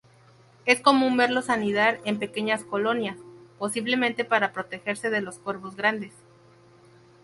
Es común verlos anidar en pequeñas colonias, posiblemente para protegerse de los cuervos grandes.